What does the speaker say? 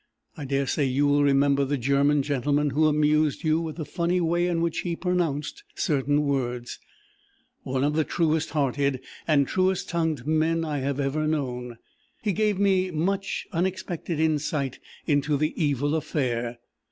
I daresay you will remember the German gentleman who amused you with the funny way in which he pronounced certain words one of the truest hearted and truest tongued men I have ever known: he gave me much unexpected insight into the evil affair.